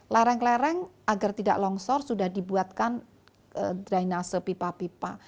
lareng lareng agar tidak longsor sudah dibuatkan dry nasa pipa pipa